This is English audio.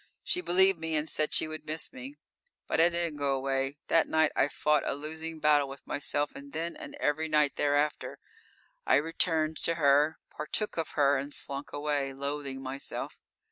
She believed me and said she would miss me. But I didn't go away. That night I fought a losing battle with myself, and then and every night thereafter, I returned to her, partook of her and slunk away, loathing myself.